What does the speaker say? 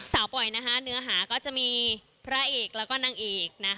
สาวป่อยเนื้อหาก็จะมีพระเอกแล้วก็นางเอก